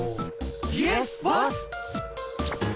イエスボス！